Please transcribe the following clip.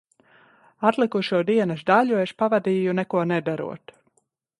Atlikušo dienas daļu es pavadīju neko nedarot.